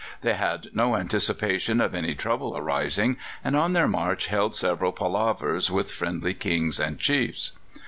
They had no anticipation of any trouble arising, and on their march held several palavers with friendly Kings and chiefs.